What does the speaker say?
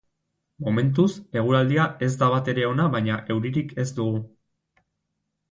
Momentuz eguraldia ez da batere ona baina euririk ez dugu.